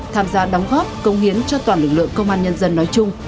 tham gia đóng góp công hiến cho toàn lực lượng công an nhân dân nói chung